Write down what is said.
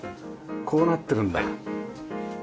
こうなってるんだ。